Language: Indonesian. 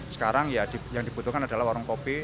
sekarang ya yang dibutuhkan adalah warung kopi